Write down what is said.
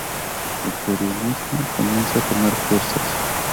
El peronismo comienza a tomar fuerzas.